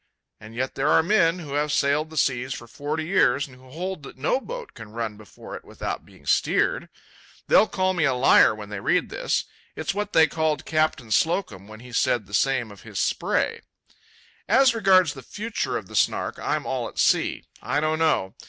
And yet there are men who have sailed the seas for forty years and who hold that no boat can run before it without being steered. They'll call me a liar when they read this; it's what they called Captain Slocum when he said the same of his Spray. As regards the future of the Snark I'm all at sea. I don't know.